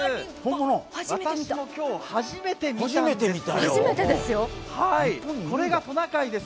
私も今日、初めて見たんです。